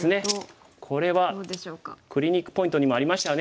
クリニックポイントにもありましたよね。